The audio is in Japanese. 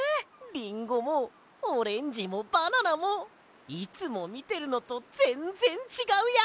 リンゴもオレンジもバナナもいつもみてるのとぜんぜんちがうや！